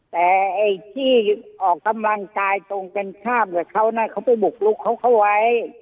แต่ไอ้ที่ออกกำลังกายตรงกันข้ามกับเขานะเขาไปบุกลุกเขาไว้